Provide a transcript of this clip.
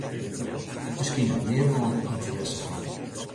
Miskien dat mear lannen ynteresse ha.